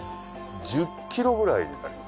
１０キロぐらいになります。